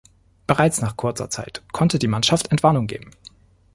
Bereits nach kurzer Zeit konnte die Mannschaft Entwarnung geben.